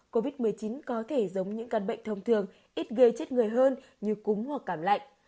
covid một mươi chín có thể giống những căn bệnh thông thường ít gây chết người hơn như cúng hoặc cảm lạnh